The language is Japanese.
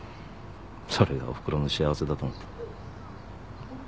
それがおふくろの幸せだと思って。